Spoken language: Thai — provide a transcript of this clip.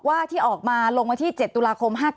ว่าที่ออกมาลงไปที่๗ดุลาคม๕๙